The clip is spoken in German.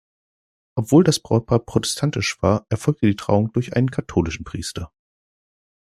Obwohl das Brautpaar protestantisch war, erfolgte die Trauung durch einen katholischen Priester.